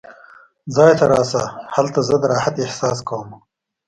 ځای ته راشه، هلته زه د راحت احساس کوم.